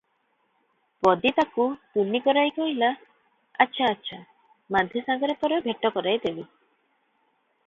ପଦୀ ତାକୁ ତୁନି କରାଇ କହିଲା, "ଆଚ୍ଛା ଆଚ୍ଛା, ମାଧୀ ସାଙ୍ଗରେ ତୋର ଭେଟ କରାଇ ଦେବି ।"